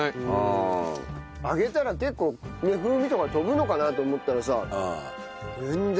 揚げたら結構風味とか飛ぶのかなと思ったらさ全然。